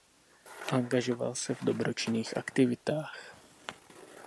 Angažoval se v dobročinných aktivitách.